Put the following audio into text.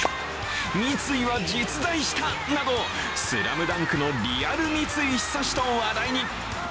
三井は実在した！など、「ＳＬＡＭＤＵＮＫ」のリアル三井寿と話題に。